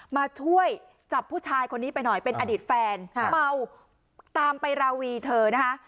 มาช่วยจับผู้ชายคนนี้ไปหน่อยเป็นอดีตแฟนเมาตามไปราวีเธอนะคะ